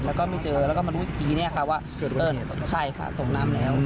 แล้วก็ไม่เจอแล้วก็มาดูอีกทีว่าใช่ค่ะส่งน้ำแล้ว